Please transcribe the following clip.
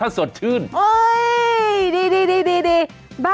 โอ้โหโอ้โหโอ้โห